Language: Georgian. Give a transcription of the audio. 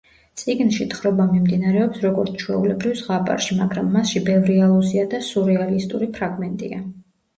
წიგნში თხრობა მიმდინარეობს, როგორც ჩვეულებრივ ზღაპარში, მაგრამ მასში ბევრი ალუზია და სურეალისტური ფრაგმენტია.